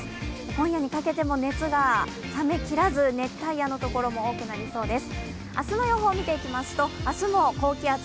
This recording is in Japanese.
今夜にかけても熱が下げきらず熱帯夜のところが多くなりそうです。